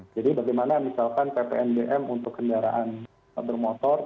jadi bagaimana misalkan ppn bm untuk kendaraan bermotor